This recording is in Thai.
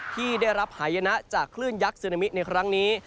ที่ได้รับหายนะจากคลื่นยักษ์ซึนามิในครั้งนี้